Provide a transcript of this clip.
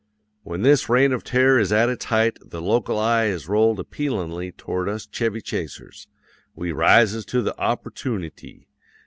"'When this reign of terror is at its height, the local eye is rolled appealin'ly towards us Chevy Chasers. We rises to the opportoonity.